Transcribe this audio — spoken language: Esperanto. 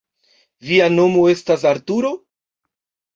Via nomo estas Arturo?